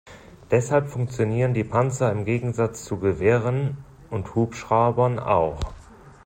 Deshalb funktionieren die Panzer im Gegensatz zu Gewehren und Hubschraubern auch.